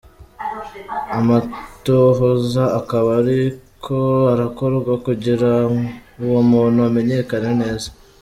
Amatohoza ''akaba ariko arakorwa'' kugira uwo muntu amenyekane neza.